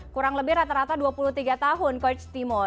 kurang lebih rata rata dua puluh tiga tahun coach timo